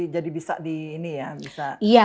jadi bisa di ini ya bisa